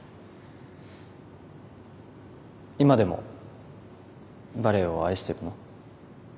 今でもバレエを愛してるの？